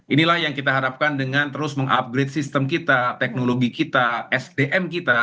inilah yang kita harapkan dengan terus mengupgrade sistem kita teknologi kita sdm kita